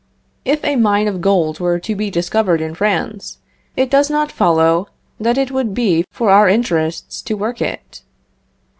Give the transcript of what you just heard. If a mine of gold were to be discovered in France, it does not follow that it would be for our interests to work it.